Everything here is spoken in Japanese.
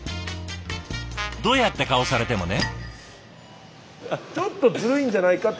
ドヤって顔されてもね？